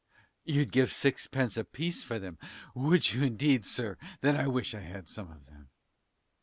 You'd give sixpence a piece for them, would you, indeed, sir; then I wish I had some of them.